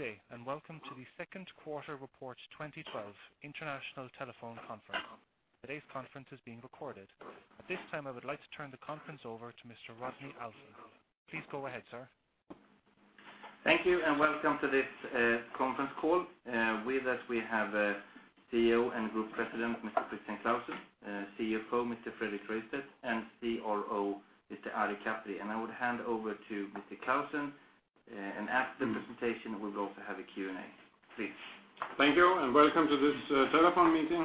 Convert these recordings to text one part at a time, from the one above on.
Good day, welcome to the second quarter report 2012 international telephone conference. Today's conference is being recorded. At this time, I would like to turn the conference over to Mr. Rodney Alfvén. Please go ahead, sir. Thank you, welcome to this conference call. With us, we have CEO and Group President, Mr. Christian Clausen; CFO, Mr. Fredrik Rystedt; and CRO, Mr. Ari Kaperi. I would hand over to Mr. Clausen, and after the presentation, we'll also have a Q&A. Please. Thank you, welcome to this telephone meeting.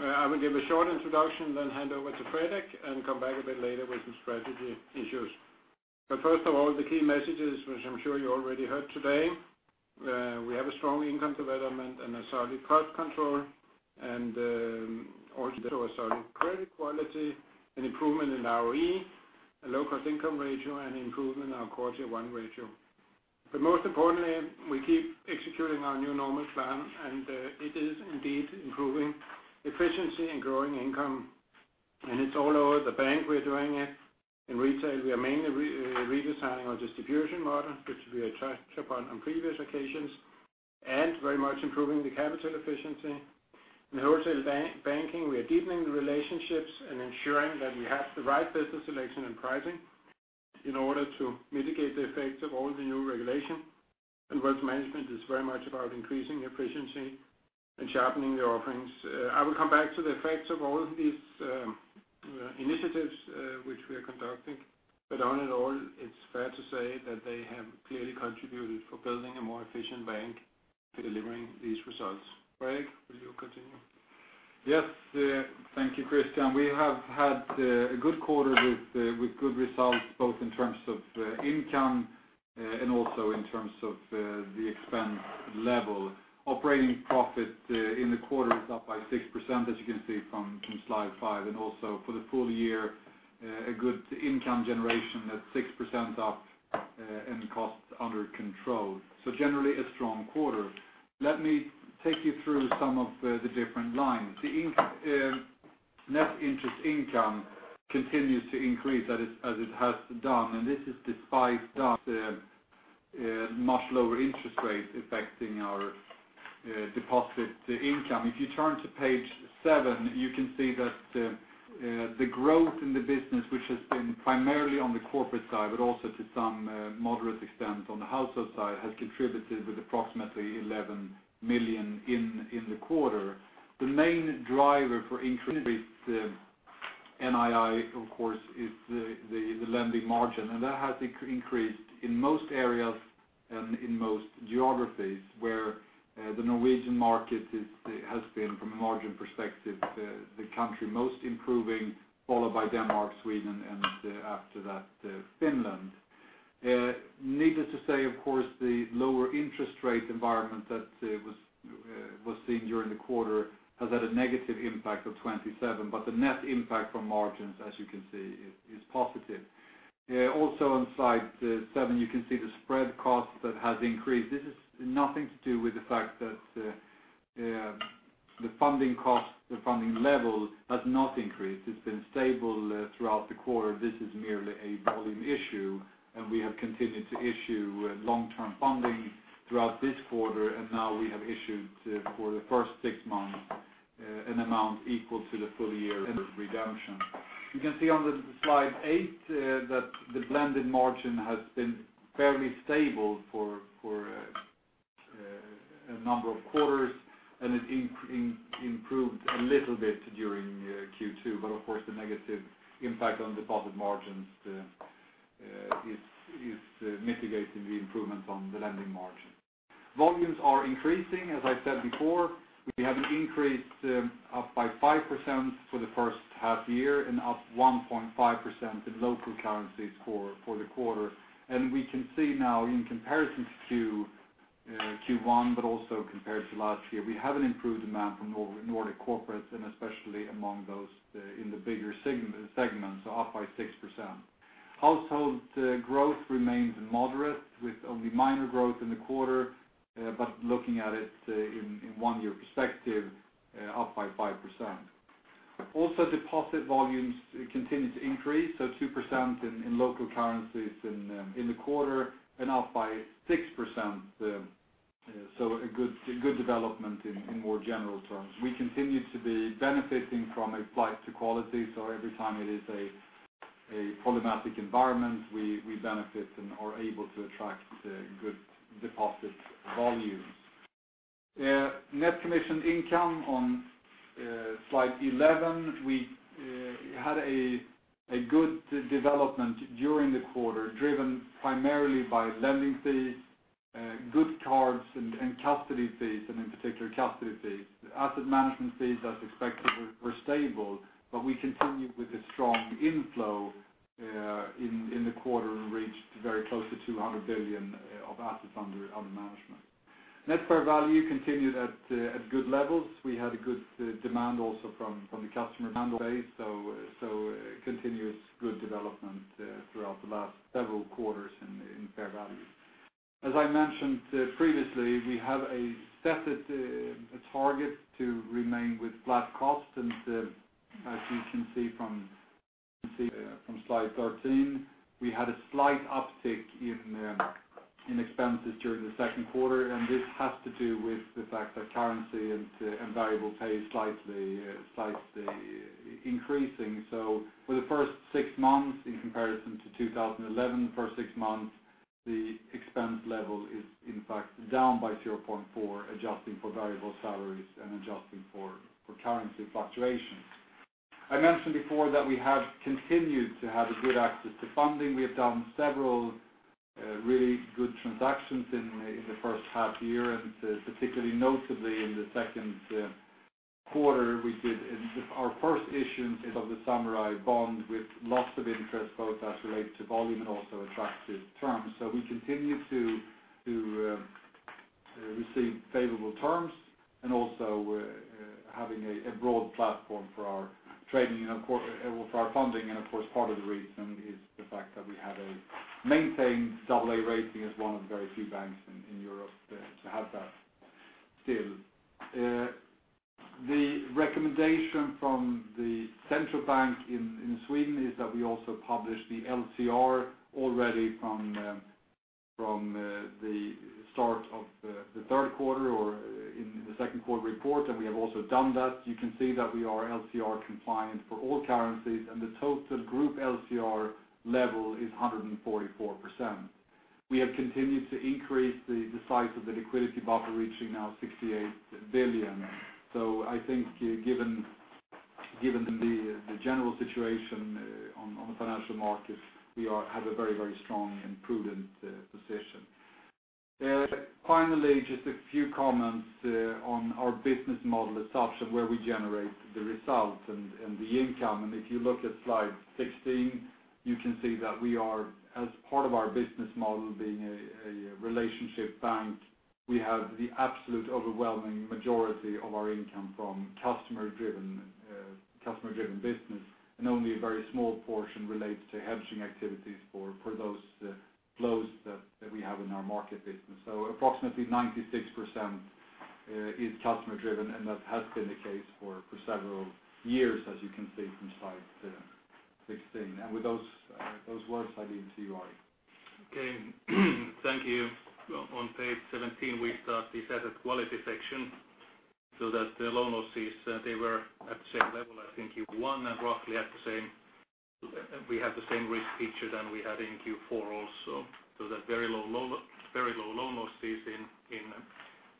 I will give a short introduction, hand over to Fredrik, and come back a bit later with some strategy issues. First of all, the key messages, which I'm sure you already heard today, we have a strong income development and a solid cost control, and also a solid credit quality, an improvement in ROE, a low cost-income ratio, and improvement in our quarter one ratio. Most importantly, we keep executing our New Normal plan, and it is indeed improving efficiency and growing income. It's all over the bank we're doing it. In retail, we are mainly redesigning our distribution model, which we have touched upon on previous occasions, and very much improving the capital efficiency. In wholesale banking, we are deepening the relationships and ensuring that we have the right business selection and pricing in order to mitigate the effects of all the new regulation. Wealth management is very much about increasing efficiency and sharpening the offerings. I will come back to the effects of all these initiatives which we are conducting, but all in all, it's fair to say that they have clearly contributed for building a more efficient bank for delivering these results. Fredrik, will you continue? Yes. Thank you, Christian. We have had a good quarter with good results, both in terms of income and also in terms of the expense level. Operating profit in the quarter is up by 6%, as you can see from slide five, and also for the full year, a good income generation that is 6% up and cost under control. Generally, a strong quarter. Let me take you through some of the different lines. The net interest income continues to increase as it has done, and this is despite the much lower interest rate affecting our deposit income. If you turn to page seven, you can see that the growth in the business, which has been primarily on the corporate side, but also to some moderate extent on the household side, has contributed with approximately 11 million in the quarter. The main driver for increased NII, of course, is the lending margin, and that has increased in most areas and in most geographies where the Norwegian market has been, from a margin perspective, the country most improving, followed by Denmark, Sweden, and after that, Finland. Needless to say, of course, the lower interest rate environment that was seen during the quarter has had a negative impact of 27, but the net impact from margins, as you can see, is positive. Also on slide seven, you can see the spread cost that has increased. This has nothing to do with the fact that the funding cost, the funding level has not increased. It has been stable throughout the quarter. This is merely a volume issue. We have continued to issue long-term funding throughout this quarter, and now we have issued for the first six months an amount equal to the full year redemption. You can see on slide eight that the blended margin has been fairly stable for a number of quarters, and it improved a little bit during Q2. Of course, the negative impact on deposit margins is mitigating the improvements on the lending margin. Volumes are increasing, as I said before. We have an increase up by 5% for the first half year and up 1.5% in local currencies for the quarter. We can see now in comparison to Q1, but also compared to last year, we have an improved demand from Nordic corporates, and especially among those in the bigger segments, up by 6%. Household growth remains moderate with only minor growth in the quarter, but looking at it in one-year perspective, up by 5%. Deposit volumes continue to increase, 2% in local currencies in the quarter and up by 6%, a good development in more general terms. We continue to be benefiting from a flight to quality. Every time it is a problematic environment, we benefit and are able to attract good deposit volumes. Net commission income on slide 11. We had a good development during the quarter, driven primarily by lending fees, good cards, and custody fees, and in particular custody fees. The asset management fees, as expected, were stable, but we continued with a strong inflow in the quarter and reached very close to 200 billion of assets under management. Net fair value continued at good levels. We had a good demand also from the customer base, continuous good development throughout the last several quarters in net fair value. As I mentioned previously, we have a set target to remain with flat cost, as you can see from slide 13, we had a slight uptick in expenses during the second quarter, and this has to do with the fact that currency and variable pay slightly increasing. For the first six months, in comparison to 2011 first six months, the expense level is in fact down by 0.4%, adjusting for variable salaries and adjusting for currency fluctuations. I mentioned before that we have continued to have a good access to funding. We have done several really good transactions in the first half year, and particularly notably in the second quarter, we did our first issuance of the Samurai bond with lots of interest, both as relate to volume and also attractive terms. We continue to receive favorable terms and also having a broad platform for our trading and for our funding. Of course, part of the reason is the fact that we have a maintained AA rating as one of the very few banks in Europe to have that still. The recommendation from the central bank in Sweden is that we also publish the LCR already from the start of the third quarter or in the second quarter report, and we have also done that. You can see that we are LCR compliant for all currencies, and the total group LCR level is 144%. We have continued to increase the size of the liquidity buffer, reaching now 68 billion. I think given the general situation on the financial markets, we have a very strong and prudent position. Finally, just a few comments on our business model as such and where we generate the results and the income. If you look at slide 16, you can see that we are, as part of our business model being a relationship bank, we have the absolute overwhelming majority of our income from customer-driven business. Only a very small portion relates to hedging activities for those flows that we have in our market business. Approximately 96% is customer-driven, and that has been the case for several years, as you can see from slide 16. With those words, I give to you, Ari. Okay, thank you. On page 17, we start the asset quality section, the loan losses, they were at the same level as in Q1 and we have the same risk feature than we had in Q4 also. Very low loan losses in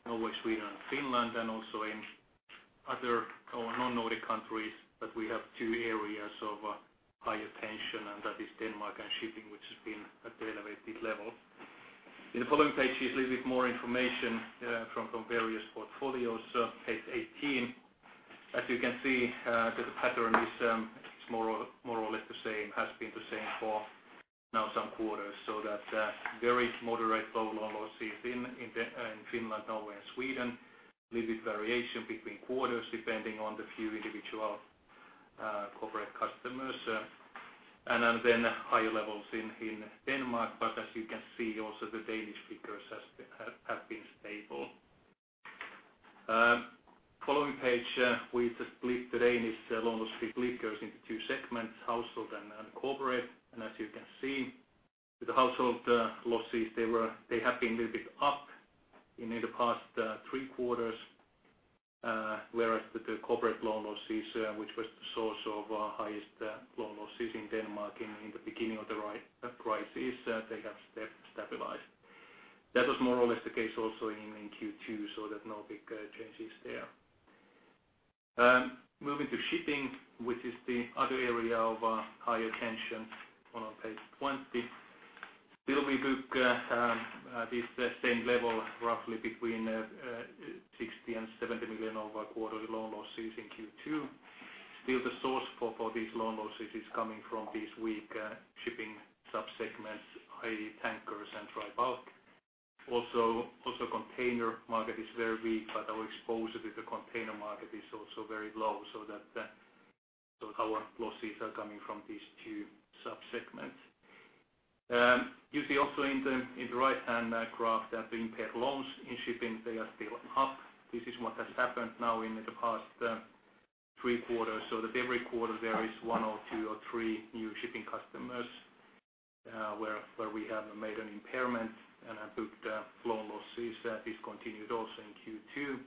Norway, Sweden and Finland and also in other non-Nordic countries. We have two areas of higher tension, and that is Denmark and shipping, which has been at the elevated level. In the following page is a little bit more information from various portfolios. Page 18, as you can see, the pattern is more or less the same, has been the same for now some quarters. Very moderate flow loan losses in Finland, Norway and Sweden. Little bit variation between quarters depending on the few individual corporate customers. Higher levels in Denmark. As you can see, also the Danish figures have been stable. Following page, we just split the Danish loan losses, split goes into two segments, household and corporate. As you can see, with the household losses, they have been a little bit up in the past three quarters. Whereas with the corporate loan losses, which was the source of highest loan losses in Denmark in the beginning of the crisis, they have stabilized. That was more or less the case also in Q2. No big changes there. Moving to shipping, which is the other area of higher tension on page 20. Still we book this same level, roughly between 60 million and 70 million of quarterly loan losses in Q2. Still the source for these loan losses is coming from these weak shipping sub-segments, i.e. tankers and dry bulk. Also container market is very weak, but our exposure to the container market is also very low. Our losses are coming from these two sub-segments. You see also in the right-hand graph that the impaired loans in shipping, they are still up. This is what has happened now in the past three quarters. Every quarter there is one or two or three new shipping customers, where we have made an impairment and have booked loan losses. This continued also in Q2.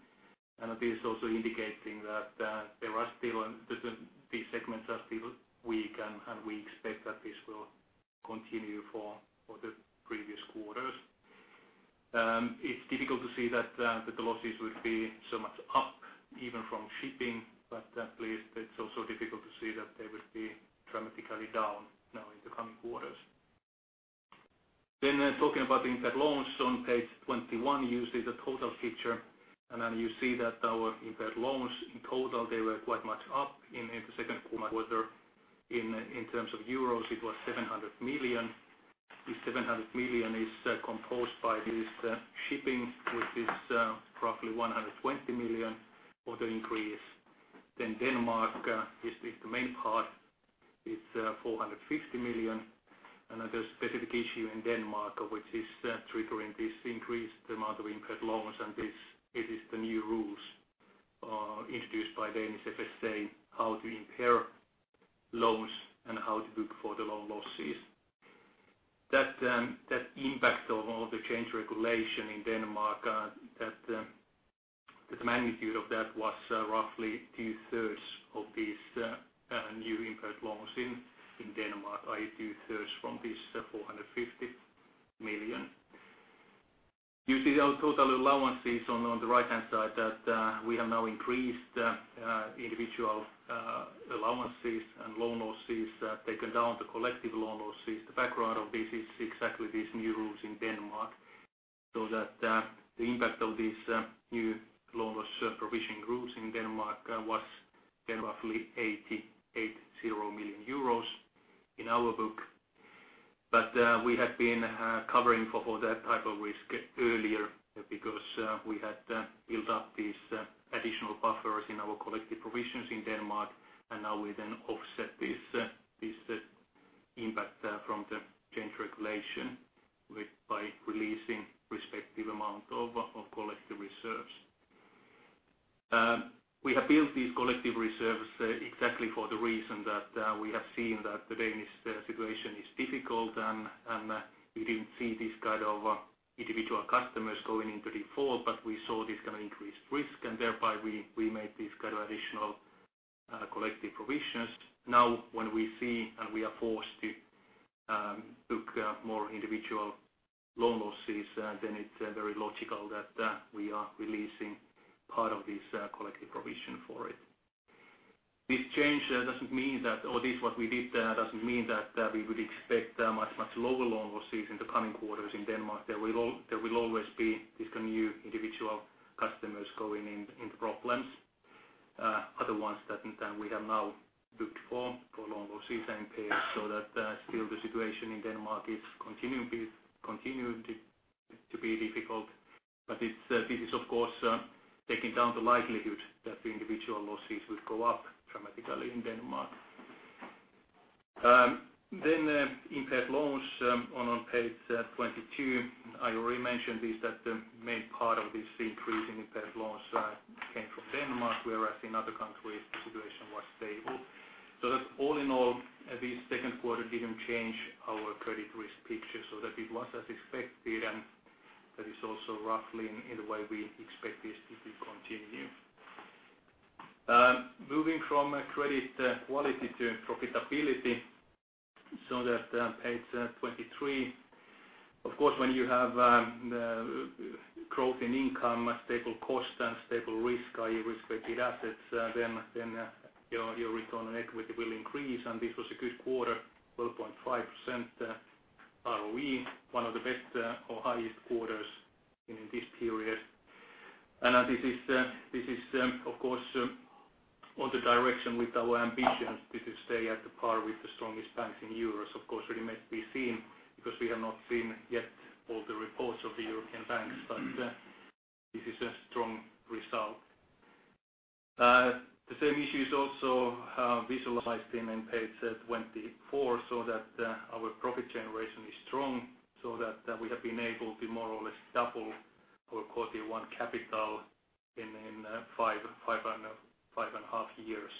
This also indicating that these segments are still weak, and we expect that this will continue for the previous quarters. It's difficult to see that the losses would be so much up even from shipping, but at least it's also difficult to see that they would be dramatically down now in the coming quarters. Talking about the impaired loans on page 21, you see the total picture, you see that our impaired loans in total, they were quite much up in the second quarter. In terms of euros, it was 700 million. This 700 million is composed by this shipping, which is roughly 120 million of the increase. Denmark is the main part. It's 450 million. The specific issue in Denmark, which is triggering this increase the amount of impaired loans and it is the new rules introduced by Danish FSA, how to impair loans and how to book for the loan losses. That impact on all the change regulation in Denmark, the magnitude of that was roughly two-thirds of these new impaired loans in Denmark, i.e., two-thirds from this 450 million. You see our total allowances on the right-hand side that we have now increased individual allowances and loan losses, taken down the collective loan losses. The background of this is exactly these new rules in Denmark. The impact of these new loan loss provision rules in Denmark was roughly 808 million euros in our book. We had been covering for all that type of risk earlier because we had built up these additional buffers in our collective provisions in Denmark, and now we offset this impact from the change regulation by releasing respective amount of collective reserves. We have built these collective reserves exactly for the reason that we have seen that the Danish situation is difficult, and we didn't see this kind of individual customers going into default, but we saw this kind of increased risk, and thereby we made this kind of additional collective provisions. When we see and we are forced to book more individual loan losses, it's very logical that we are releasing part of this collective provision for it. This change doesn't mean that, or this what we did there doesn't mean that we would expect much lower loan losses in the coming quarters in Denmark. There will always be this kind of new individual customers going into problems. Other ones that we have now booked for loan losses and paid so that still the situation in Denmark is continuing to be difficult. This is, of course, taking down the likelihood that the individual losses would go up dramatically in Denmark. Impaired loans on page 22. I already mentioned this, that the main part of this increase in impaired loans came from Denmark, whereas in other countries, the situation was stable. All in all, this second quarter didn't change our credit risk picture, so that it was as expected, and that is also roughly in the way we expect this to continue. Moving from credit quality to profitability, page 23. Of course, when you have growth in income, stable cost, and stable risk, i.e., risk-weighted assets, then your return on equity will increase, and this was a good quarter, 12.5% ROE, one of the best or highest quarters in this period. This is, of course, on the direction with our ambitions to stay at par with the strongest banks in Europe. Of course, it remains to be seen because we have not seen yet all the reports of the European banks, but this is a strong result. The same issue is also visualized in page 24, our profit generation is strong, so that we have been able to more or less double our CET1 capital in five and a half years.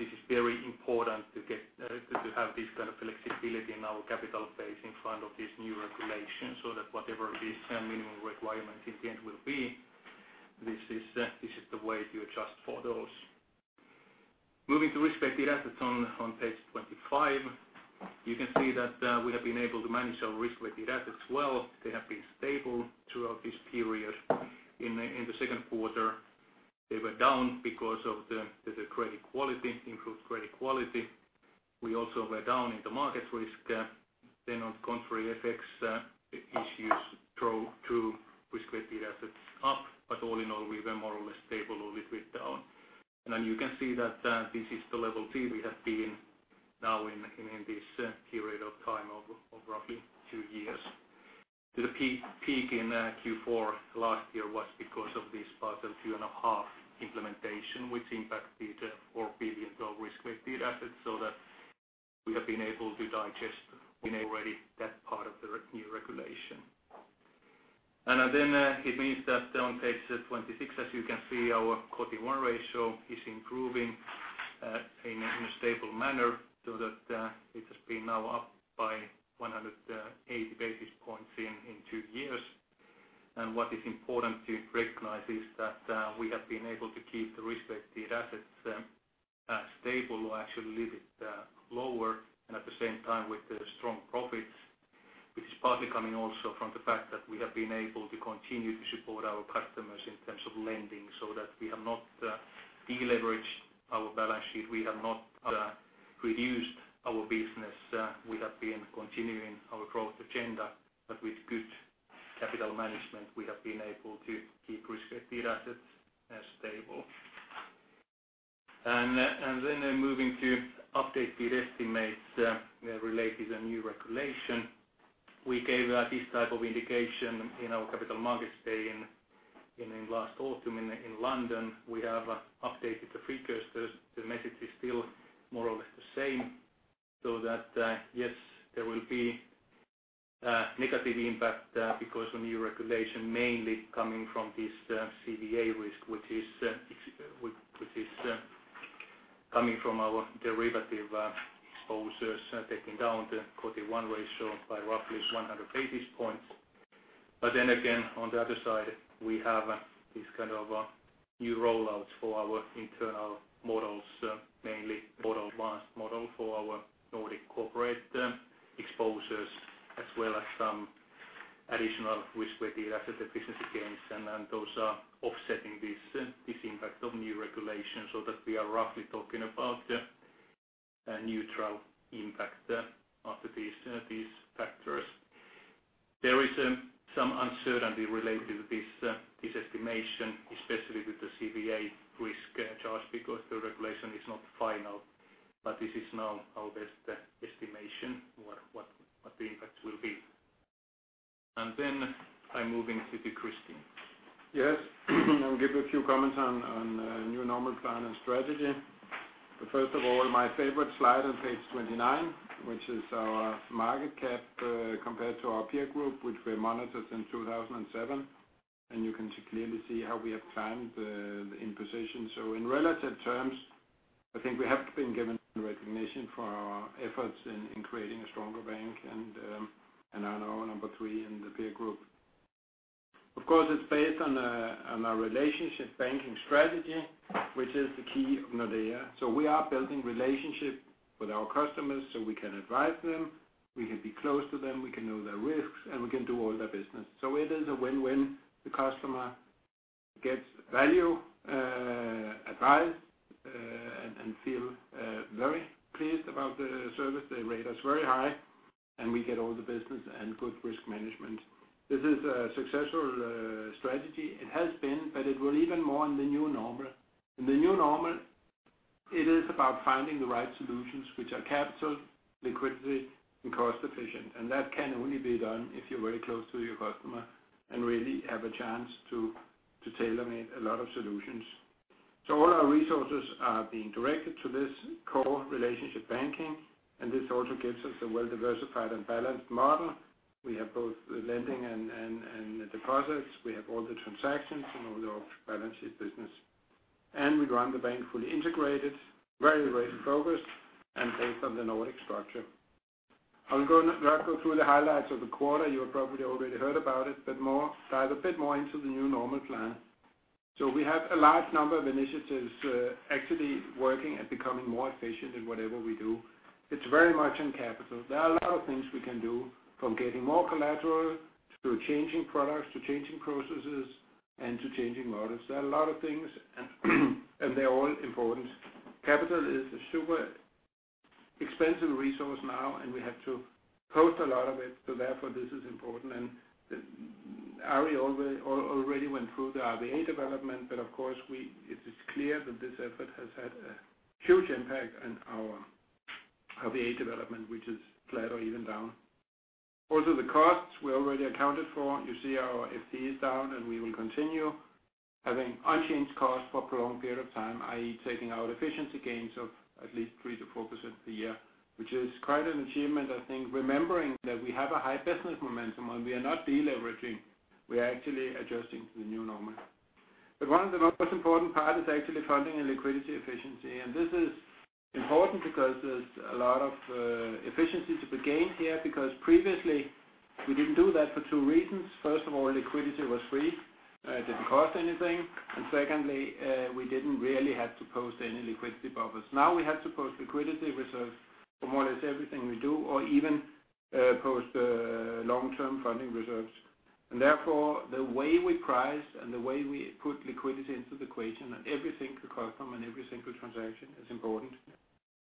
This is very important to have this kind of flexibility in our capital base in front of these new regulations, so that whatever these minimum requirements in the end will be, this is the way to adjust for those. Moving to risk-weighted assets on page 25. You can see that we have been able to manage our risk-weighted assets well. They have been stable throughout this period. In the second quarter, they were down because of the credit quality, improved credit quality. We also were down in the market risk. On contrary FX issues drove true risk-weighted assets up. All in all, we were more or less stable, a little bit down. You can see that this is the level tier we have been now in this period of time of roughly two years. The peak in Q4 last year was because of this Basel 2.5 implementation, which impacted EUR 4 billion of risk-weighted assets, so that we have been able to digest already that part of the new regulation. It means that on page 26, as you can see, our CET1 ratio is improving in a stable manner so that it has been now up by 180 basis points in two years. What is important to recognize is that we have been able to keep the risk-weighted assets stable or actually a little bit lower, and at the same time with the strong profits, which is partly coming also from the fact that we have been able to continue to support our customers in terms of lending so that we have not de-leveraged our balance sheet, we have not reduced our business. We have been continuing our growth agenda, but with good capital management, we have been able to keep risk-weighted assets stable. Moving to updated estimates related to new regulation. We gave this type of indication in our capital markets day in last autumn in London. We have updated the free cash. The message is still more or less the same. Yes, there will be a negative impact because of new regulation mainly coming from this CVA risk, which is coming from our derivative exposures taking down the CET1 ratio by roughly 100 basis points. On the other side, we have these kind of new rollouts for our internal models, mainly model advanced model for our Nordic corporate exposures, as well as some additional risk-weighted asset business gains. Those are offsetting this impact of new regulations so that we are roughly talking about a neutral impact after these factors. There is some uncertainty related to this estimation, especially with the CVA risk charge because the regulation is not final, but this is now our best estimation what the impact will be. I'm moving to Christian. Yes. I'll give a few comments on New Normal plan and strategy. First of all, my favorite slide on page 29, which is our market cap compared to our peer group, which we monitored in 2007, and you can clearly see how we have climbed the imposition. In relative terms, I think we have been given recognition for our efforts in creating a stronger bank and are now number three in the peer group. It's based on a relationship banking strategy, which is the key of Nordea. We are building relationships with our customers so we can advise them, we can be close to them, we can know their risks, and we can do all their business. It is a win-win. The customer gets value, advice, and feel very pleased about the service. They rate us very high. We get all the business and good risk management. This is a successful strategy. It has been, but it will even more in the New Normal. In the New Normal, it is about finding the right solutions, which are capital, liquidity, and cost-efficient. That can only be done if you're very close to your customer and really have a chance to tailor-make a lot of solutions. All our resources are being directed to this core relationship banking. This also gives us a well-diversified and balanced model. We have both the lending and the deposits. We have all the transactions and all the off-balance sheet business. We run the bank fully integrated, very rate focused, and based on the Nordic structure. I will not go through the highlights of the quarter, you have probably already heard about it, but dive a bit more into the New Normal plan. We have a large number of initiatives actually working at becoming more efficient in whatever we do. It is very much in capital. There are a lot of things we can do from getting more collateral, to changing products, to changing processes, and to changing models. There are a lot of things and they are all important. Capital is a super expensive resource now, and we have to post a lot of it, therefore this is important. Ari already went through the RWA development, but of course, it is clear that this effort has had a huge impact on our RWA development, which is flat or even down. The costs we already accounted for, you see our FTE is down, and we will continue having unchanged costs for a prolonged period of time, i.e., taking out efficiency gains of at least 3%-4% a year, which is quite an achievement, I think, remembering that we have a high business momentum and we are not de-leveraging. We are actually adjusting to the New Normal. One of the most important part is actually funding and liquidity efficiency. This is important because there's a lot of efficiency to be gained here, because previously we didn't do that for two reasons. First of all, liquidity was free. It didn't cost anything. Secondly, we didn't really have to post any liquidity buffers. Now we have to post liquidity reserves for more or less everything we do or even post long-term funding reserves. Therefore, the way we price and the way we put liquidity into the equation and every single customer and every single transaction is important.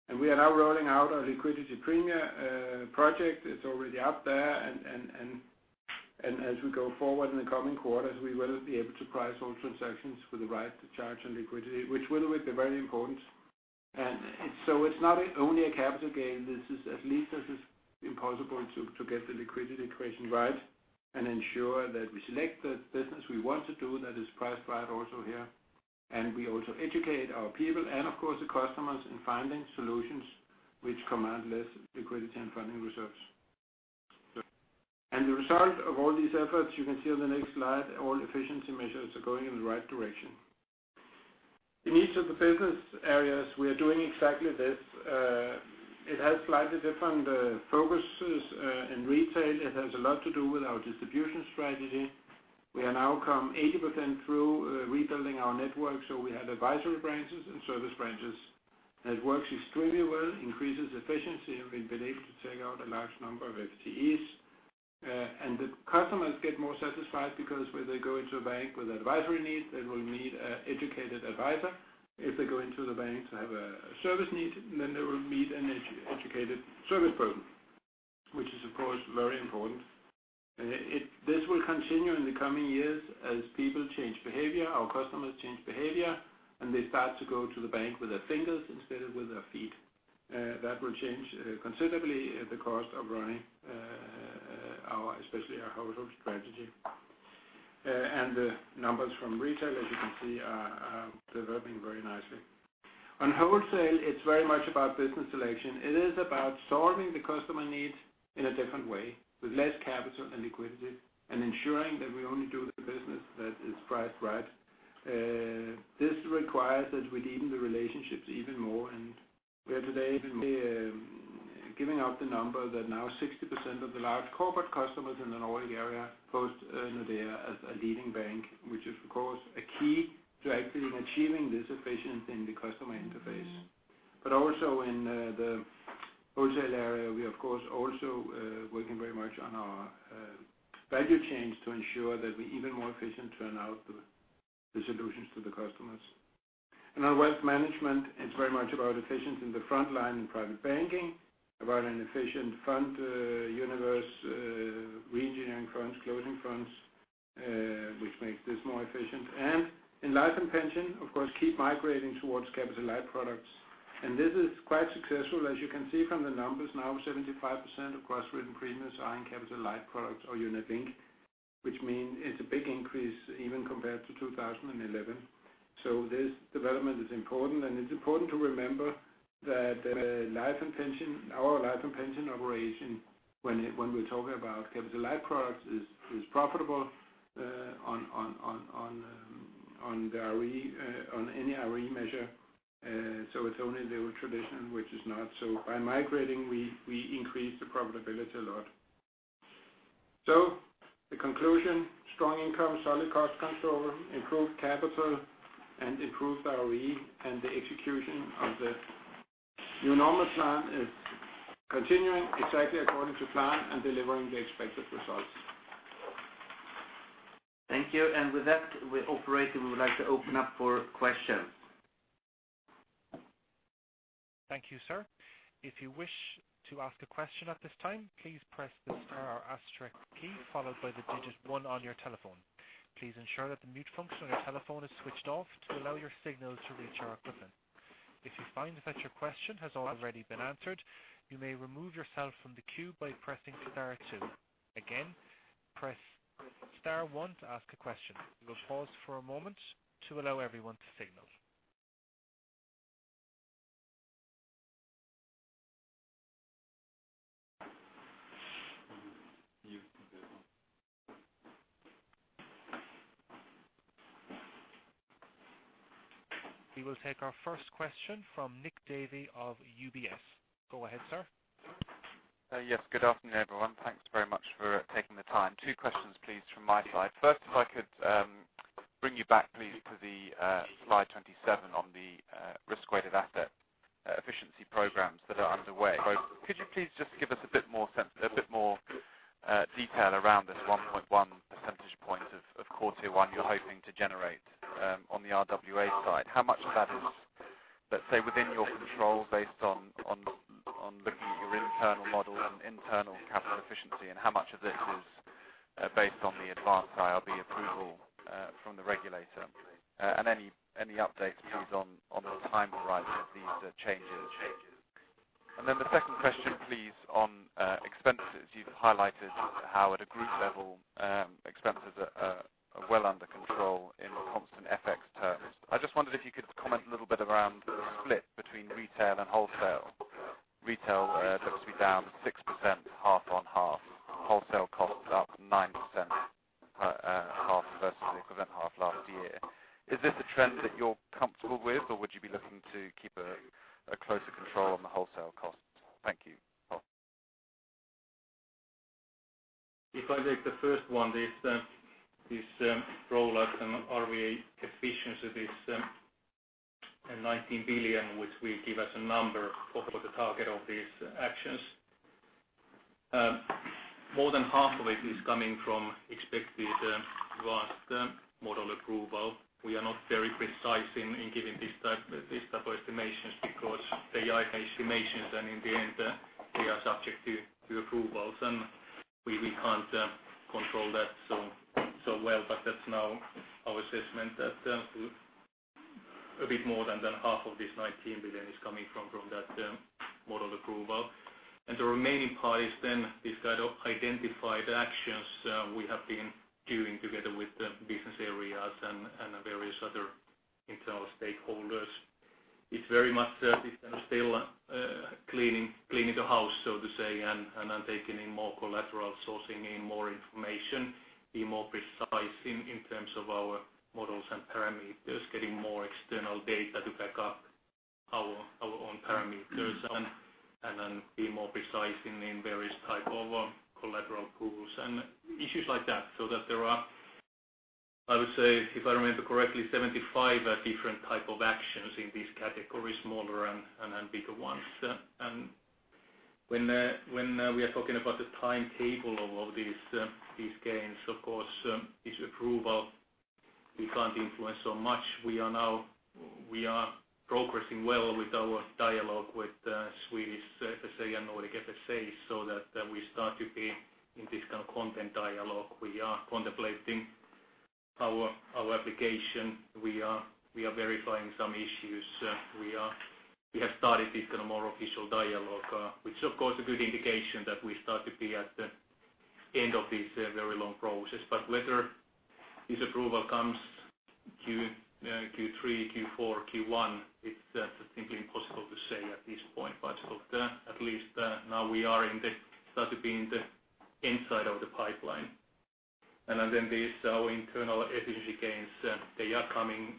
We are now rolling out our liquidity premium project. It's already out there, and as we go forward in the coming quarters, we will be able to price all transactions with the right to charge on liquidity, which will be very important. So it's not only a capital gain, this is at least as is impossible to get the liquidity equation right and ensure that we select the business we want to do that is priced right also here. We also educate our people and of course the customers in finding solutions which command less liquidity and funding reserves. The result of all these efforts, you can see on the next slide, all efficiency measures are going in the right direction. In each of the business areas, we are doing exactly this. It has slightly different focuses. In retail, it has a lot to do with our distribution strategy. We have now come 80% through rebuilding our network. We have advisory branches and service branches. That works extremely well, increases efficiency, and we've been able to take out a large number of FTEs. The customers get more satisfied because when they go into a bank with advisory needs, they will meet an educated advisor. If they go into the bank to have a service need, then they will meet an educated service person, which is of course very important. This will continue in the coming years as people change behavior, our customers change behavior, and they start to go to the bank with their fingers instead of with their feet. That will change considerably the cost of running especially our household strategy. The numbers from retail, as you can see, are developing very nicely. On wholesale, it's very much about business selection. It is about solving the customer needs in a different way, with less capital and liquidity, and ensuring that we only do the business that is priced right. This requires that we deepen the relationships even more, and we are today giving out the number that now 60% of the large corporate customers in the Nordic area post Nordea as a leading bank, which is, of course, a key to actually achieving this efficiency in the customer interface. Also in the wholesale area, we are of course also working very much on our value chains to ensure that we're even more efficient to announce the solutions to the customers. In our wealth management, it's very much about efficiency in the front line in private banking, about an efficient fund universe, reengineering funds, closing funds which makes this more efficient. In life and pension, of course, keep migrating towards capital-light products. This is quite successful, as you can see from the numbers now, 75% of gross written premiums are in capital-light products or unit link, which means it's a big increase even compared to 2011. This development is important, and it's important to remember that our life and pension operation, when we're talking about capital-light products, is profitable on any ROE measure. It's only the old tradition which is not. By migrating, we increase the profitability a lot. The conclusion, strong income, solid cost control, improved capital, and improved ROE. The execution of the New Normal plan is continuing exactly according to plan and delivering the expected results. Thank you. With that, we would like to open up for questions. Thank you, sir. If you wish to ask a question at this time, please press the star or asterisk key followed by the digit one on your telephone. Please ensure that the mute function on your telephone is switched off to allow your signal to reach our equipment. If you find that your question has already been answered, you may remove yourself from the queue by pressing star two. Again, press star one to ask a question. We will pause for a moment to allow everyone to signal. We will take our first question from Nick Davey of UBS. Go ahead, sir. Yes, good afternoon, everyone. Thanks very much for taking the time. Two questions, please, from my side. First, if I could bring you back please to the slide 27 on the risk-weighted asset efficiency programs that are underway. Could you please just give us a bit more detail around this 1.1 percentage point of Core Tier 1 you're hoping to generate on the RWA side? How much of that is, let's say, within your control based on looking at your internal models and internal capital efficiency, and how much of this is based on the advanced IRB approval from the regulator? Any updates please on the time horizon of these changes. Then the second question, please, on expenses. You've highlighted how at a group level, expenses are well under control in constant FX terms. I just wondered if you could comment a little bit around the split between retail and wholesale. Retail looks to be down 6% half on half. Wholesale costs are up 9% half versus the half last year. Is this a trend that you're comfortable with, or would you be looking to keep a closer control on the wholesale costs? Thank you. If I take the first one, this rollout and RWA efficiency, this 19 billion, which will give us a number for the target of these actions. More than half of it is coming from expected advanced model approval. We are not very precise in giving this type of estimations because they are estimations, and in the end, they are subject to approvals. We can't control that so well, but that's now our assessment that a bit more than half of this 19 billion is coming from that model approval. The remaining part is then this kind of identified actions we have been doing together with the business areas and various other internal stakeholders. It's very much still cleaning the house, so to say, taking in more collateral, sourcing in more information, being more precise in terms of our models and parameters, getting more external data to back up our own parameters, being more precise in various type of collateral pools and issues like that. There are, I would say, if I remember correctly, 75 different type of actions in these categories, smaller and bigger ones. When we are talking about the timetable of all these gains, of course, this approval, we can't influence so much. We are progressing well with our dialogue with Swedish FSA and Nordic FSA that we start to be in this kind of content dialogue. We are contemplating our application. We are verifying some issues. We have started this more official dialogue, which of course a good indication that we start to be at the end of this very long process. Whether this approval comes Q3, Q4, Q1, it's simply impossible to say at this point. At least now we are starting to be in the inside of the pipeline. These, our internal energy gains, they are coming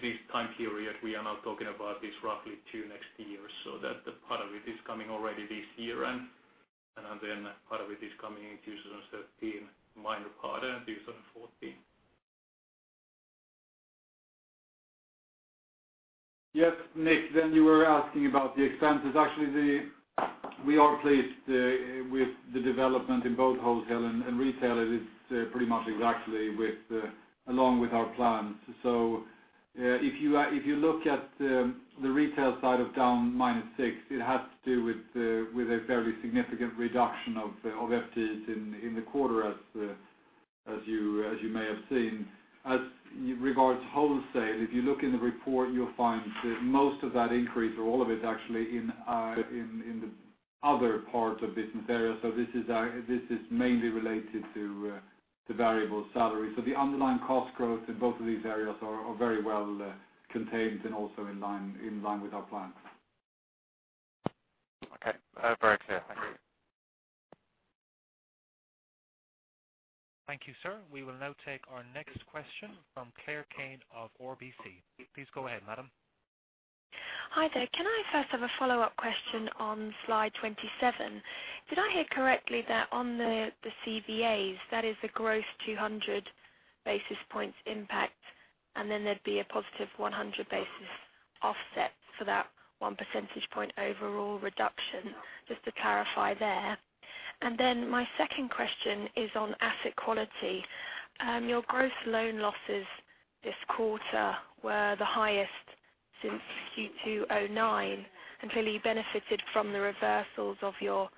this time period. We are now talking about this roughly two next years, that part of it is coming already this year and part of it is coming in 2013, minor part in 2014. Yes, Nick, you were asking about the expenses. Actually, we are pleased with the development in both wholesale and retail. It's pretty much exactly along with our plans. If you look at the retail side of down minus six, it has to do with a very significant reduction of FTEs in the quarter as you may have seen. As regards wholesale, if you look in the report, you'll find that most of that increase or all of it actually in the other parts of business areas. This is mainly related to variable salary. The underlying cost growth in both of these areas are very well contained and also in line with our plans. Okay. Very clear. Thank you. Thank you, sir. We will now take our next question from Claire Kane of RBC. Please go ahead, madam. Hi there. Can I first have a follow-up question on slide 27? Did I hear correctly that on the CVA, that is a gross 200 basis points impact, and then there'd be a positive 100 basis offset for that one percentage point overall reduction? Just to clarify there. My second question is on asset quality. Your gross loan losses this quarter were the highest since Q2 2009, and clearly benefited from the reversals of your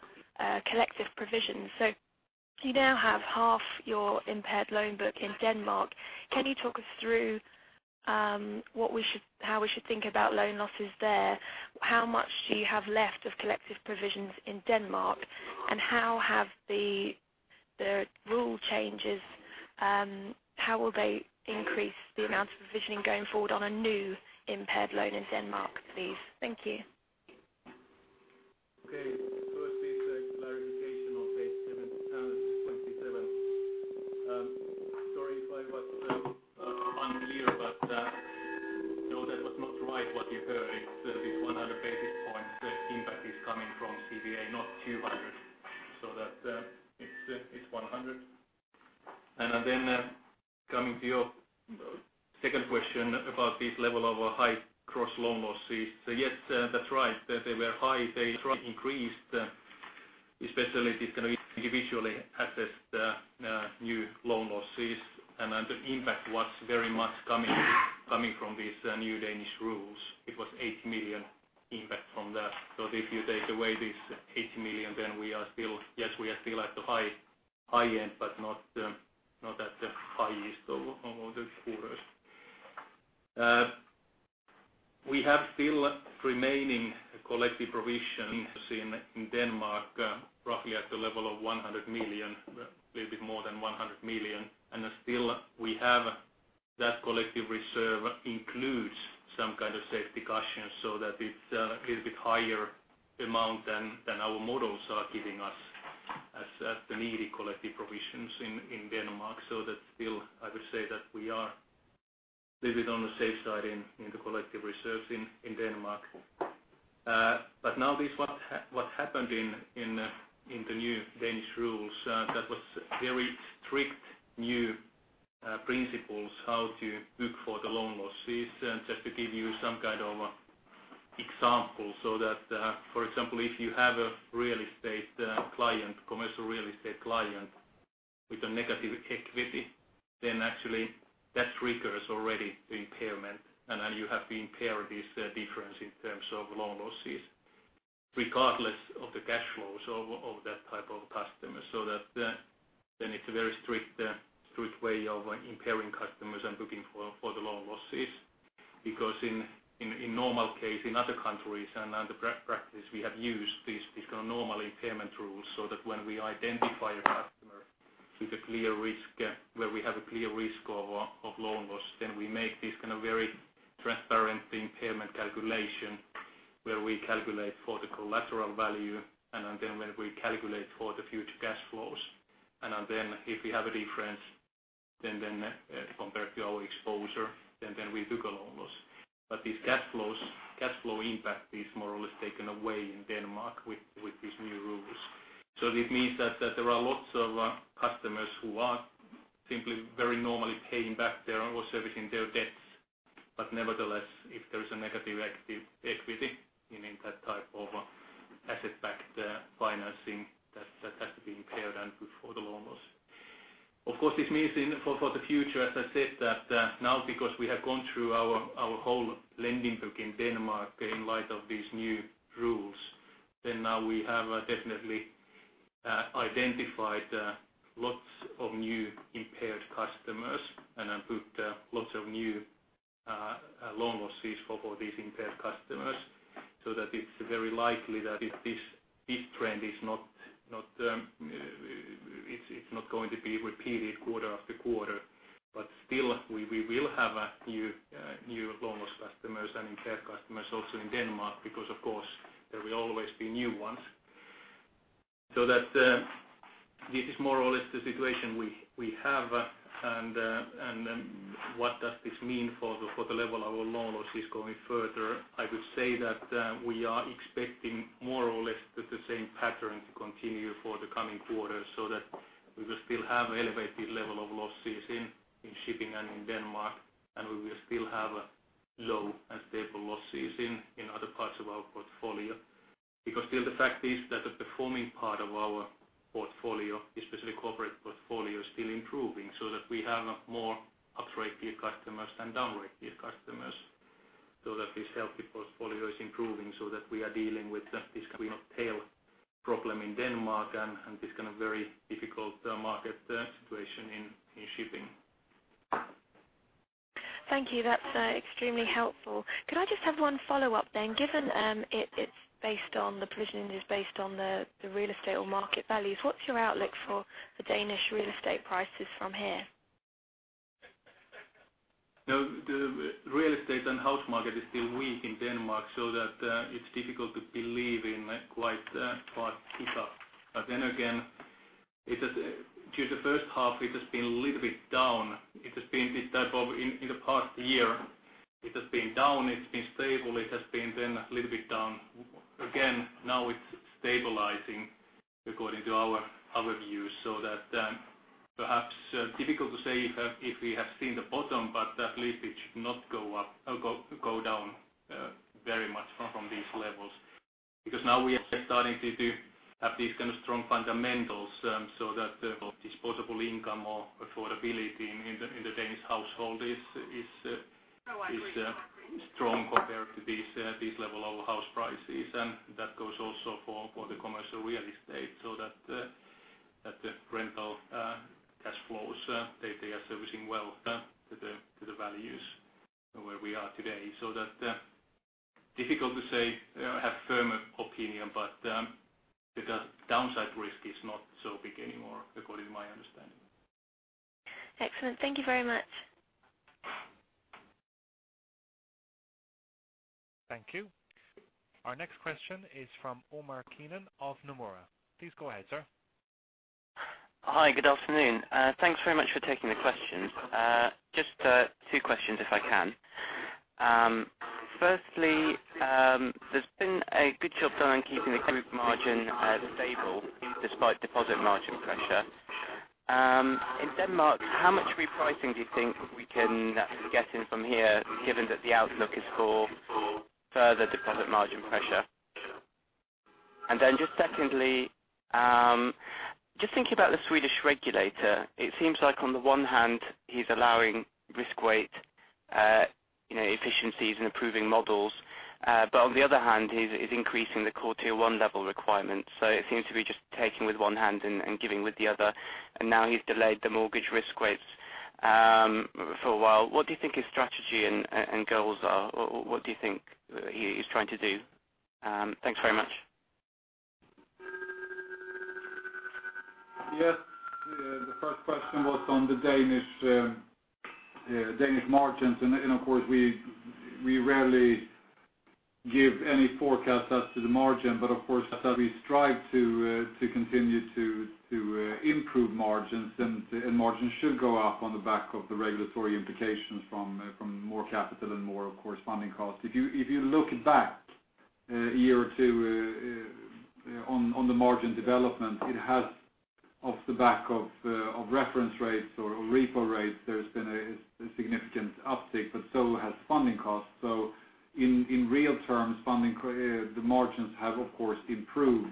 collective provisions. You now have half your impaired loan book in Denmark. Can you talk us through how we should think about loan losses there? How much do you have left of collective provisions in Denmark, and how will the rule changes increase the amount of provisioning going forward on a new impaired loan in Denmark, please? Thank you. Okay. First is clarification on page 27. Sorry if I was unclear, but no, that was not right what you heard. This 100 basis points impact is coming from CVA, not 200. It's 100. Coming to your second question about this level of high gross loan losses. Yes, that's right. They were high. They increased, especially these individually assessed new loan losses, and the impact was very much coming from these new Danish rules. It was 8 million impact from that. If you take away this 8 million, then we are still at the high end but not at the highest of the quarters. We have still remaining collective provision in Denmark, roughly at the level of 100 million, a little bit more than 100 million. Still we have that collective reserve includes some kind of safety cushion that it's a little bit higher amount than our models are giving us as the needed collective provisions in Denmark. Still, I would say that we are a little bit on the safe side in the collective reserves in Denmark. Now this, what happened in the new Danish rules, that was very strict new principles, how to book for the loan losses. Just to give you some kind of example, for example, if you have a commercial real estate client with a negative equity, then actually that triggers already the impairment, and you have to impair this difference in terms of loan losses regardless of the cash flows of that type of customer. Then it's a very strict way of impairing customers and looking for the loan losses. In normal case, in other countries and the practice, we have used these kind of normal impairment rules, so that when we identify a customer with a clear risk, where we have a clear risk of loan loss, then we make this kind of very transparent impairment calculation, where we calculate for the collateral value and then when we calculate for the future cash flows. If we have a difference, then compared to our exposure, then we book a loan loss. This cash flow impact is more or less taken away in Denmark with these new rules. It means that there are lots of customers who are simply very normally paying back their or servicing their debts. Nevertheless, if there is a negative equity in that type of asset-backed financing, that has to be impaired and for the loan loss. Of course, this means for the future, as I said, that now because we have gone through our whole lending book in Denmark in light of these new rules, then now we have definitely identified lots of new impaired customers and have put lots of new loan losses for these impaired customers so that it's very likely that this trend is not going to be repeated quarter after quarter. Still, we will have a few new loan loss customers and impaired customers also in Denmark, because, of course, there will always be new ones. This is more or less the situation we have. What does this mean for the level our loan loss is going further? I would say that we are expecting more or less that the same pattern to continue for the coming quarters. We will still have elevated level of losses in shipping and in Denmark, and we will still have low and stable losses in other parts of our portfolio. Still the fact is that the performing part of our portfolio, especially corporate portfolio, is still improving so that we have more upgraded customers than downgraded customers. This healthy portfolio is improving so that we are dealing with this kind of tail problem in Denmark and this kind of very difficult market situation in shipping. Thank you. That's extremely helpful. Could I just have one follow-up? Given the provision is based on the real estate or market values, what's your outlook for the Danish real estate prices from here? The real estate and house market is still weak in Denmark, so that it's difficult to believe in quite a kick-off. Then again, through the first half it has been a little bit down. In the past year it has been down, it's been stable, it has been then a little bit down again. Now it's stabilizing according to our views. Perhaps difficult to say if we have seen the bottom, but at least it should not go down very much from these levels. Now we are starting to have these kind of strong fundamentals so that the disposable income or affordability in the Danish household is strong compared to this level of house prices. That goes also for the commercial real estate, so that the rental cash flows, they are servicing well to the values where we are today. Difficult to say or have firm opinion, but the downside risk is not so big anymore according to my understanding. Excellent. Thank you very much. Thank you. Our next question is from Omar Keenan of Nomura. Please go ahead, sir. Hi. Good afternoon. Thanks very much for taking the questions. Just two questions if I can. Firstly, there's been a good job done in keeping the group margin stable despite deposit margin pressure. In Denmark, how much repricing do you think we can get in from here, given that the outlook is for further deposit margin pressure? Secondly, just thinking about the Swedish regulator, it seems like on the one hand he's allowing risk weight efficiencies and improving models. On the other hand, he's increasing the Core Tier 1 level requirements. It seems to be just taking with one hand and giving with the other. Now he's delayed the mortgage risk weights for a while. What do you think his strategy and goals are? What do you think he's trying to do? Thanks very much. Yes. The first question was on the Danish margins. Of course, we rarely give any forecast as to the margin. Of course, as we strive to continue to improve margins should go up on the back of the regulatory implications from more capital and more, of course, funding costs. If you look back a year or two on the margin development, it has off the back of reference rates or repo rates, there's been a significant uptick, but so has funding costs. In real terms, the margins have, of course, improved.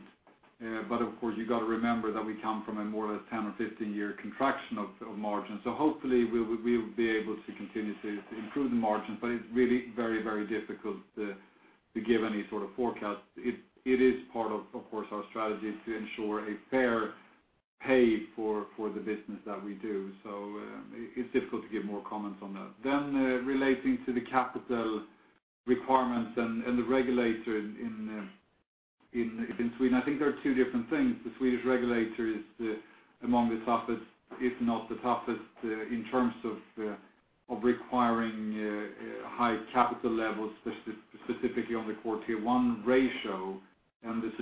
Of course, you got to remember that we come from a more or less 10 or 15-year contraction of margins. Hopefully we'll be able to continue to improve the margins, but it's really very difficult to give any sort of forecast. It is part of course, our strategy to ensure a fair pay for the business that we do. It's difficult to give more comments on that. Relating to the capital requirements and the regulator in Sweden, I think there are two different things. The Swedish regulator is among the toughest, if not the toughest, in terms of requiring high capital levels, specifically on the Core Tier 1 ratio. The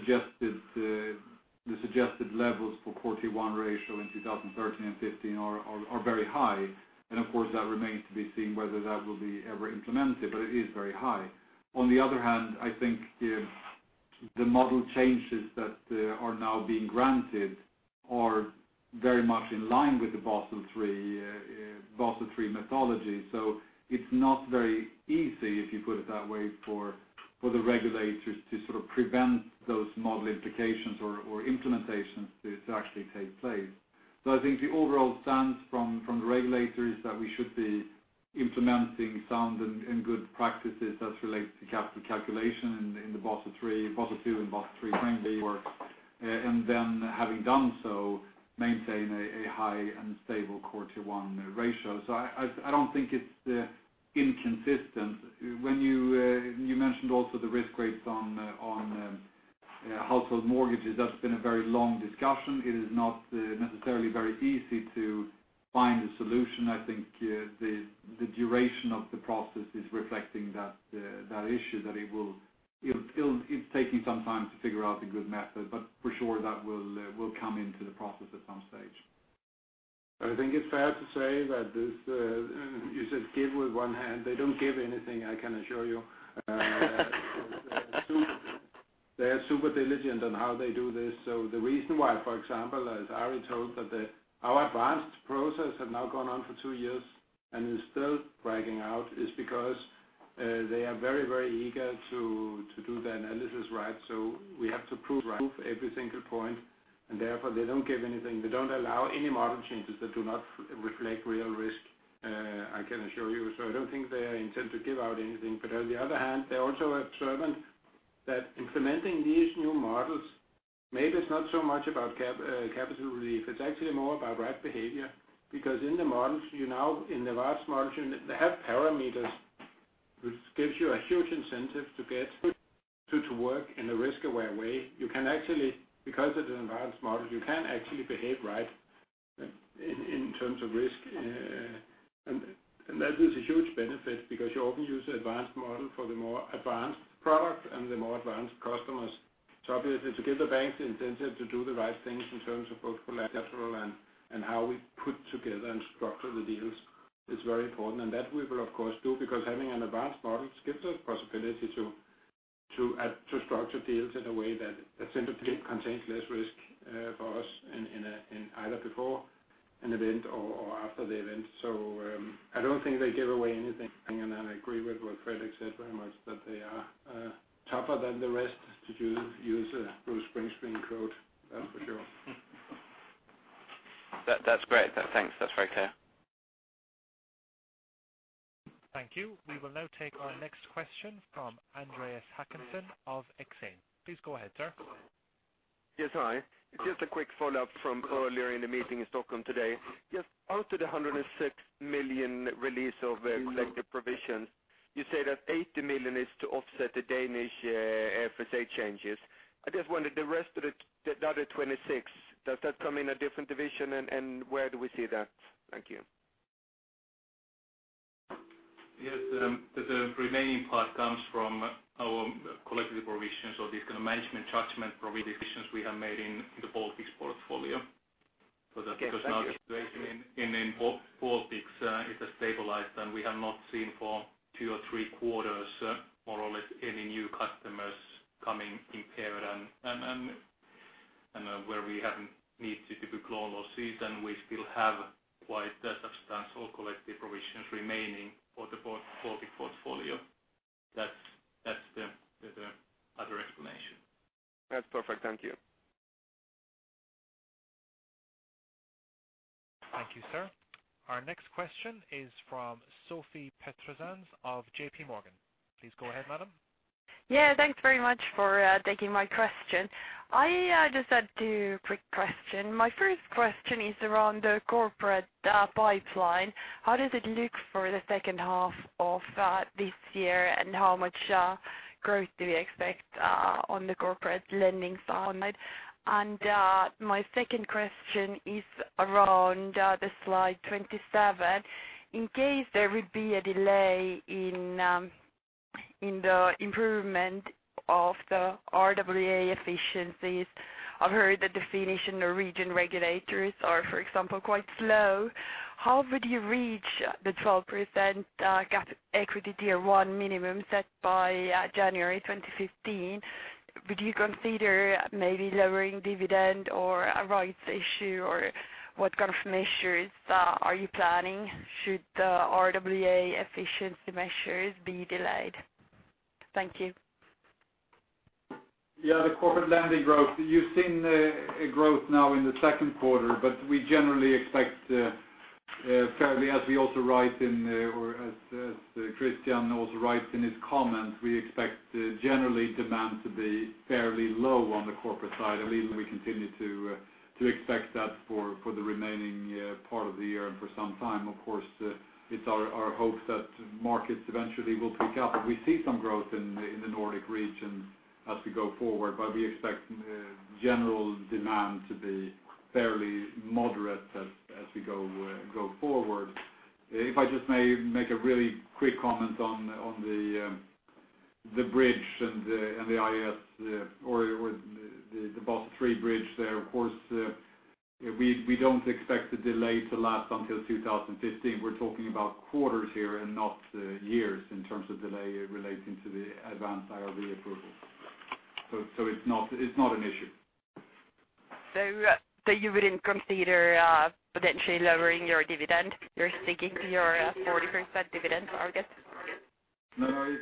suggested levels for Core Tier 1 ratio in 2013 and 2015 are very high. Of course, that remains to be seen whether that will be ever implemented, but it is very high. The other hand, I think the model changes that are now being granted are very much in line with the Basel III methodology. It's not very easy, if you put it that way, for the regulators to sort of prevent those model implications or implementations to actually take place. I think the overall sense from the regulator is that we should be Implementing sound and good practices as relates to capital calculation in the Basel II and Basel III framework, then having done so, maintain a high and stable Core Tier 1 ratio. I don't think it's inconsistent. You mentioned also the risk weights on household mortgages. That's been a very long discussion. It is not necessarily very easy to find a solution. I think the duration of the process is reflecting that issue, that it's taking some time to figure out a good method, but for sure that will come into the process at some stage. I think it's fair to say that this, you said give with one hand, they don't give anything, I can assure you. They are super diligent on how they do this. The reason why, for example, as Ari told that our advanced process have now gone on for two years and is still dragging out, is because they are very eager to do the analysis right. We have to prove every single point, and therefore they don't give anything. They don't allow any model changes that do not reflect real risk, I can assure you. I don't think they intend to give out anything. On the other hand, they're also observant that implementing these new models, maybe it's not so much about capital relief. It's actually more about right behavior, because in the models, in the vast models, they have parameters which gives you a huge incentive to get to work in a risk-aware way. Because it is an advanced model, you can actually behave right in terms of risk. That is a huge benefit because you often use the advanced model for the more advanced product and the more advanced customers. Obviously, to give the banks the incentive to do the right things in terms of both collateral and how we put together and structure the deals is very important. That we will of course do, because having an advanced model gives us possibility to structure deals in a way that simply contains less risk for us in either before an event or after the event. I don't think they give away anything. I agree with what Fredrik said very much, that they are tougher than the rest, to use a Bruce Springsteen quote, that's for sure. That's great. Thanks. That's very clear. Thank you. We will now take our next question from Andreas Håkansson of Exane. Please go ahead, sir. Yes. Hi. Out of the 106 million release of collective provisions, you say that 80 million is to offset the Danish FSA changes. I wondered, the rest of the other 26 million, does that come in a different division, and where do we see that? Thank you. Yes. The remaining part comes from our collective provisions or these kind of management judgment provisions we have made in the Baltics portfolio. Okay. Thank you. Now the situation in Baltics it has stabilized, and we have not seen for two or three quarters, more or less any new customers coming impaired, and where we haven't needed to book loan losses, and we still have quite a substantial collective provisions remaining for the Baltic portfolio. That's the other explanation. That's perfect. Thank you. Thank you, sir. Our next question is from Sophie Peterzens of J.P. Morgan. Please go ahead, madam. Thanks very much for taking my question. I just had two quick questions. My first question is around the corporate pipeline. How does it look for the second half of this year, and how much growth do you expect on the corporate lending side? My second question is around slide 27. In case there will be a delay in the improvement of the RWA efficiencies. I've heard the definition, the region regulators are, for example, quite slow. How would you reach the 12% capital equity tier 1 minimum set by January 2015? Would you consider maybe lowering dividend or a rights issue? What kind of measures are you planning should the RWA efficiency measures be delayed? Thank you. The corporate lending growth. You've seen a growth now in the second quarter, but we generally expect fairly, as we also write in or as Christian also writes in his comments, we expect generally demand to be fairly low on the corporate side. We continue to expect that for the remaining part of the year, and for some time, of course. It's our hope that markets eventually will pick up, and we see some growth in the Nordic region as we go forward. We expect general demand to be fairly moderate as we go forward. If I just may make a really quick comment on the bridge and the IRB or the Basel III bridge there, of course, we don't expect the delay to last until 2015. We're talking about quarters here and not years in terms of delay relating to the advanced IRB approval. It's not an issue. You wouldn't consider potentially lowering your dividend? You're sticking to your 40% dividend target? No,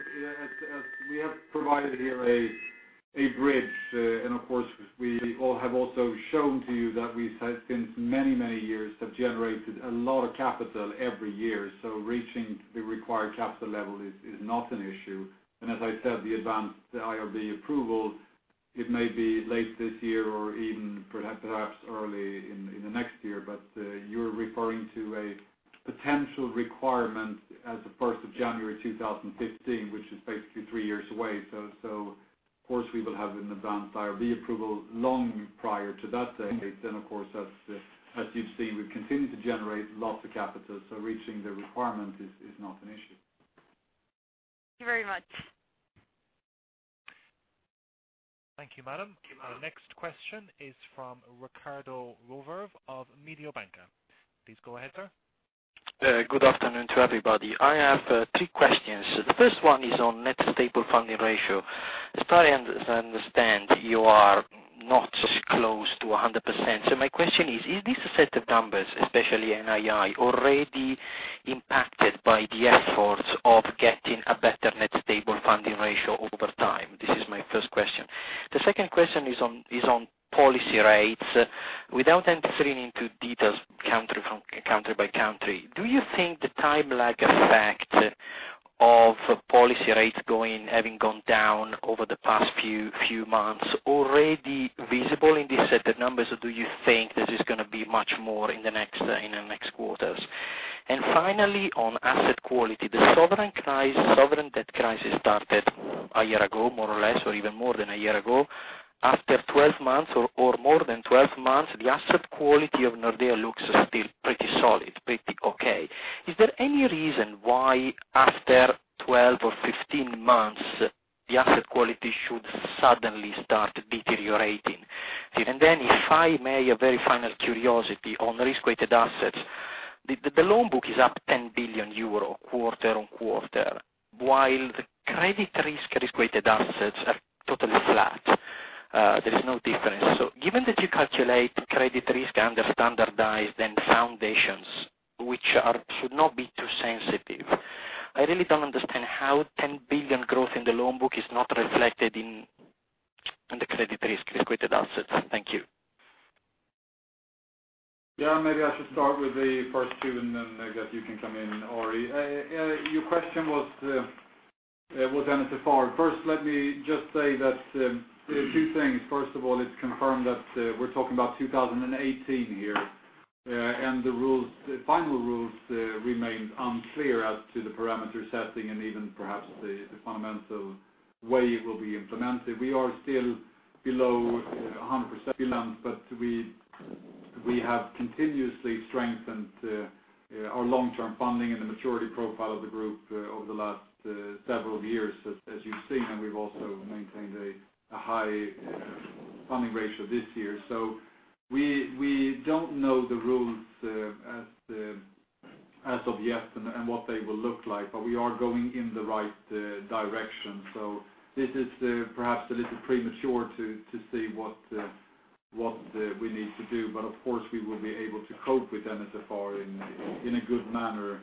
we have provided here a bridge. Of course, we have also shown to you that we, since many years, have generated a lot of capital every year. Reaching the required capital level is not an issue. As I said, the advanced IRB approval, it may be late this year or even perhaps early in the next year. You're referring to a potential requirement as of 1st of January 2015, which is basically three years away. Of course, we will have an advanced IRB approval long prior to that date. Of course, as you've seen, we've continued to generate lots of capital, so reaching the requirement is not an issue. Thank you very much. Thank you, madam. Our next question is from Riccardo Rovere of Mediobanca. Please go ahead, sir. Good afternoon to everybody. I have three questions. The first one is on net stable funding ratio. As far I understand, you are not close to 100%. My question is this a set of numbers, especially NII, already impacted by the efforts of getting a better net stable funding ratio over time? This is my first question. The second question is on policy rates. Without entering into details country by country, do you think the time lag effect of policy rates having gone down over the past few months already visible in this set of numbers, or do you think this is going to be much more in the next quarters? Finally, on asset quality. The sovereign debt crisis started a year ago, more or less, or even more than a year ago. After 12 months or more than 12 months, the asset quality of Nordea Bank looks still pretty solid, pretty okay. Is there any reason why, after 12 or 15 months, the asset quality should suddenly start deteriorating? If I may, a very final curiosity on risk-weighted assets. The loan book is up 10 billion euro quarter on quarter, while the credit risk-weighted assets are totally flat. There is no difference. Given that you calculate credit risk under standardized and foundations, which should not be too sensitive, I really don't understand how 10 billion growth in the loan book is not reflected in the credit risk-weighted assets. Thank you. Maybe I should start with the first two. I guess you can come in, Ari. Your question was NSFR. First, let me just say two things. First of all, it's confirmed that we're talking about 2018 here, the final rules remained unclear as to the parameter setting and even perhaps the fundamental way it will be implemented. We are still below 100% we have continuously strengthened our long-term funding and the maturity profile of the group over the last several years, as you've seen. We've also maintained a high funding ratio this year. We don't know the rules as of yet and what they will look like. We are going in the right direction. This is perhaps a little premature to see what we need to do. We will be able to cope with NSFR in a good manner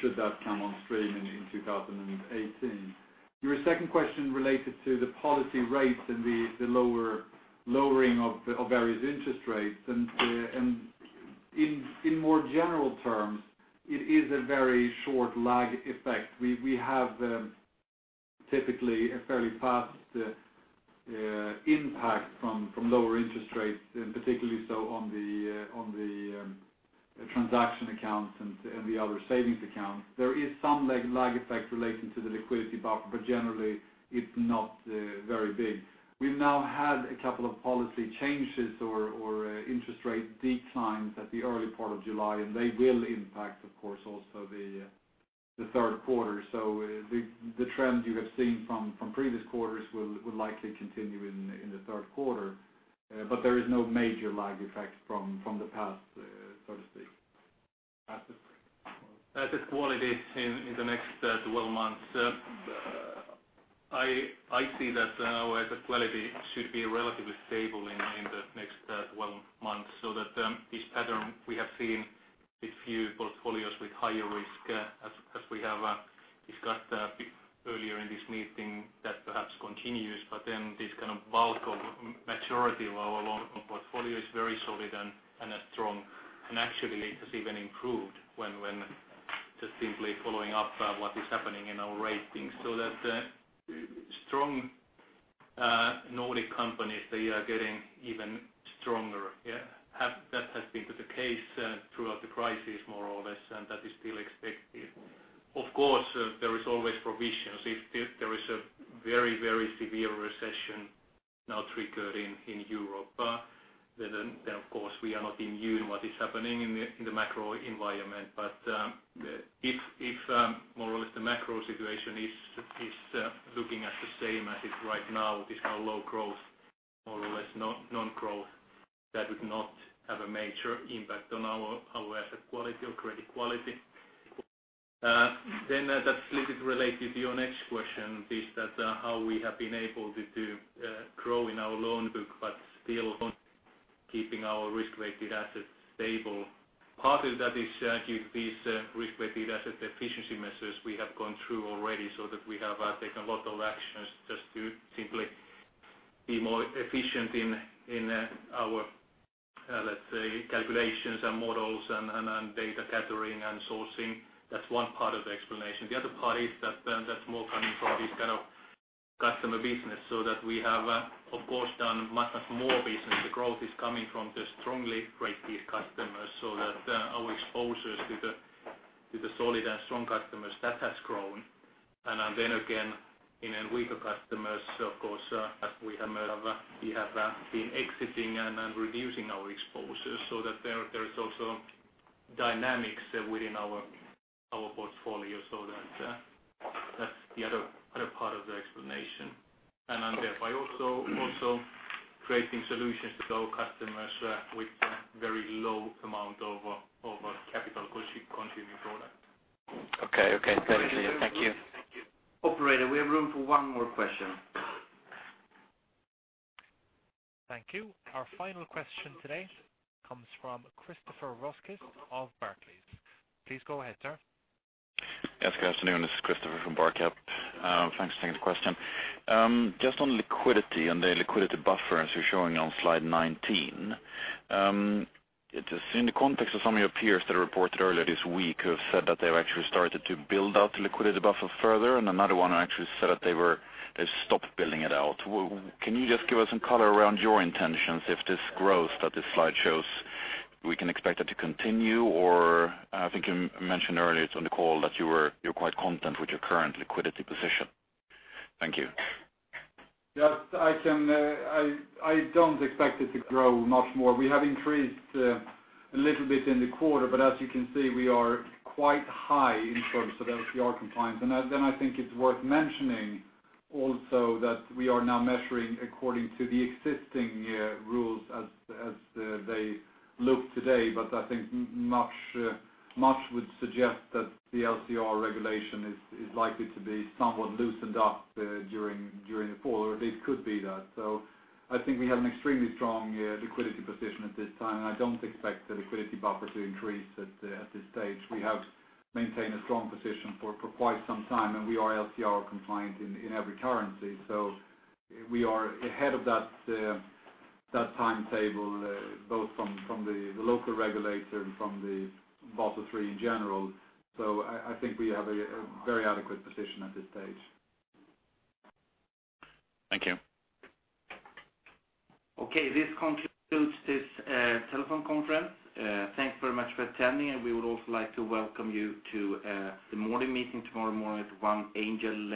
should that come on stream in 2018. Your second question related to the policy rates and the lowering of various interest rates. In more general terms, it is a very short lag effect. We have typically a fairly fast impact from lower interest rates, particularly so on the transaction accounts and the other savings accounts. There is some lag effect relating to the liquidity buffer, generally, it's not very big. We've now had a couple of policy changes or interest rate declines at the early part of July. They will impact, of course, also the third quarter. The trend you have seen from previous quarters will likely continue in the third quarter. There is no major lag effect from the past, so to speak. Asset quality in the next 12 months. I see that our asset quality should be relatively stable in the next 12 months. This pattern we have seen a few portfolios with higher risk, as we have discussed a bit earlier in this meeting, that perhaps continues. This bulk of maturity of our loan portfolio is very solid and strong. It has even improved when just simply following up what is happening in our ratings. Strong Nordic companies, they are getting even stronger. That has been the case throughout the crisis, more or less. That is still expected. Of course, there is always provisions. If there is a very severe recession now triggered in Europe, of course, we are not immune what is happening in the macro environment. If more or less the macro situation is looking as the same as it right now, this now low growth, more or less non-growth, that would not have a major impact on our asset quality or credit quality. That's a little related to your next question, how we have been able to grow in our loan book but still keeping our risk-weighted assets stable. Part of that is due to these risk-weighted asset efficiency measures we have gone through already, so that we have taken a lot of actions just to simply be more efficient in our, let's say, calculations and models and data gathering and sourcing. That's one part of the explanation. The other part is that that's more coming from this kind of customer business, so that we have, of course, done much, much more business. The growth is coming from the strongly rated customers, so that our exposures to the solid and strong customers, that has grown. Then again, in weaker customers, of course, we have been exiting and reducing our exposures. That there is also dynamics within our portfolio so that's the other part of the explanation. Thereby also creating solutions to our customers with very low amount of capital consuming product. Okay. Thank you. Operator, we have room for one more question. Thank you. Our final question today comes from Christopher Rokos of Barclays. Please go ahead, sir. Yes, good afternoon. This is Christopher from Barclays. Thanks for taking the question. Just on liquidity and the liquidity buffer, as you're showing on slide 19. Just in the context of some of your peers that reported earlier this week, who have said that they've actually started to build out the liquidity buffer further, and another one who actually said that they stopped building it out. Can you just give us some color around your intentions if this growth that this slide shows, we can expect that to continue? I think you mentioned earlier on the call that you're quite content with your current liquidity position. Thank you. Yes, I don't expect it to grow much more. We have increased a little bit in the quarter, but as you can see, we are quite high in terms of LCR compliance. I think it's worth mentioning also that we are now measuring according to the existing rules as they look today. I think much would suggest that the LCR regulation is likely to be somewhat loosened up during the fall, or at least could be that. I think we have an extremely strong liquidity position at this time, and I don't expect the liquidity buffer to increase at this stage. We have maintained a strong position for quite some time, and we are LCR compliant in every currency. We are ahead of that timetable, both from the local regulator and from the Basel III in general. I think we have a very adequate position at this stage. Thank you. Okay, this concludes this telephone conference. Thanks very much for attending, and we would also like to welcome you to the morning meeting tomorrow morning at 1:00 Angel